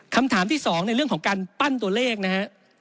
คำถามที่๒ในเรื่องของการปั้นตัวเลขนะฮะ